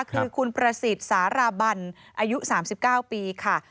คือคุณประสิทธิ์สาราบันอายุ๓๙ปีค่ะ